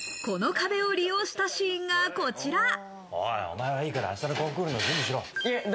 この壁を利用したシーンがこちら。